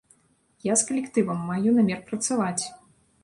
Я з калектывам маю намер працаваць!